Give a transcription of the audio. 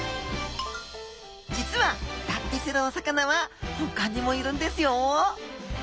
実は脱皮するお魚はほかにもいるんですよ。